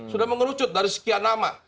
sudah mengerucut dari sekian nama